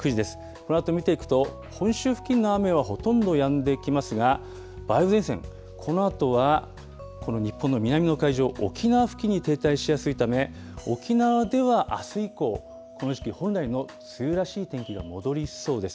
このあと見ていくと、本州付近の雨はほとんどやんできますが、梅雨前線、このあとはこの日本の南の海上、沖縄付近に停滞しやすいため、沖縄ではあす以降、この時期本来の梅雨らしい天気が戻りそうです。